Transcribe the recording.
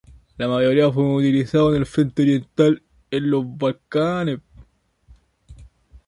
La mayoría fueron utilizados en el frente oriental y en los Balcanes.